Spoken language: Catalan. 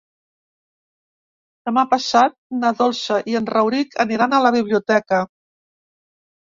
Demà passat na Dolça i en Rauric aniran a la biblioteca.